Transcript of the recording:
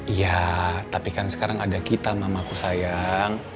iya tapi kan sekarang ada kita mamaku sayang